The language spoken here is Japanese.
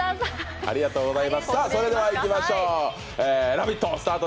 それではいきましょう「ラヴィット！」